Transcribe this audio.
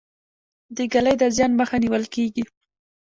د ږلۍ د زیان مخه نیول کیږي.